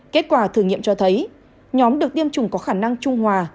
kết quả thử nghiệm cho thấy nhóm được tiêm chủng có khả năng trung hòa